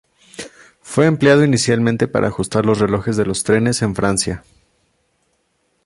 Fue empleado inicialmente para ajustar los relojes de los trenes en Francia.